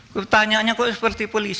nanti tanya tanya kok seperti polis